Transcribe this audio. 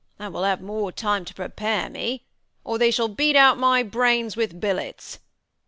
And Avill have more time to prepare me, or they Shall beat out my brains with billets.